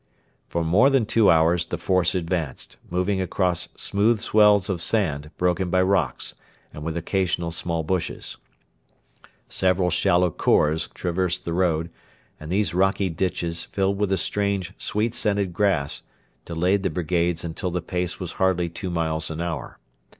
For more than two hours the force advanced, moving across smooth swells of sand broken by rocks and with occasional small bushes. Several shallow khors traversed the road, and these rocky ditches, filled with a strange, sweet scented grass, delayed the brigades until the pace was hardly two miles an hour.